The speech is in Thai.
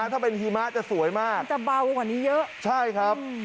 ถ้าเป็นหิมะจะสวยมากมันจะเบากว่านี้เยอะใช่ครับ